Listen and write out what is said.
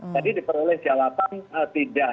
tadi diperoleh jawaban tidak